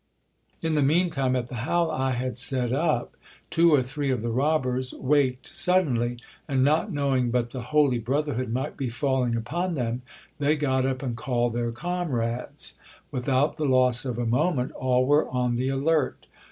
In the mean time, at the howl I had set up two or three of the robbers GIL BLAS PLAYS THE HYPOCRITE. 15 waked suddenly ; and not knowing but the holy brotherhood might be falling upon them, they got up and called their comrades. Without the loss of a mo ment all were on the alert.